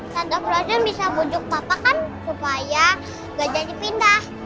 satgas bisa bujuk papa kan supaya nggak jadi pindah